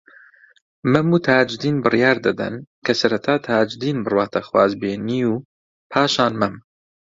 مەم و تاجدین بڕیار دەدەن کە سەرەتا تاجدین بڕواتە خوازبێنیی و پاشان مەم